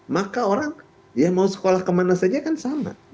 maka orang ya mau sekolah kemana saja kan sama